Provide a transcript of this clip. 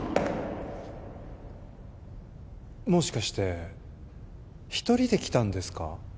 もしかして一人で来たんですか？